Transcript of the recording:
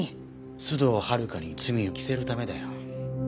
須藤温香に罪を着せるためだよ。